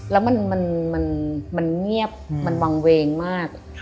แล้วมันเงียบมันวางเวงมาก